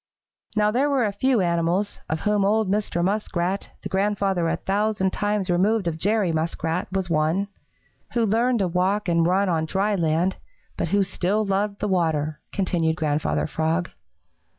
"Now there were a few animals, of whom old Mr. Muskrat, the grandfather a thousand times removed of Jerry Muskrat, was one, who learned to walk and run on dry land, but who still loved the water," continued Grandfather Frog.